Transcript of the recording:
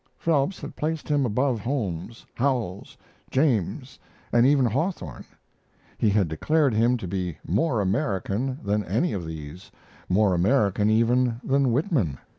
Phelps had placed him above Holmes, Howells, James, and even Hawthorne. He had declared him to be more American than any of these more American even than Whitman.